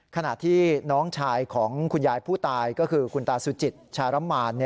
ขณะที่น้องชายของคุณยายผู้ตายก็คือคุณตาสุจิตชารมาน